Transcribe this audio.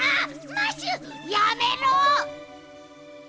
マッシュやめろ！